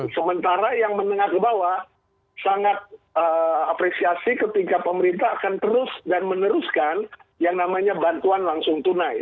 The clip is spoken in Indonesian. sementara yang menengah ke bawah sangat apresiasi ketika pemerintah akan terus dan meneruskan yang namanya bantuan langsung tunai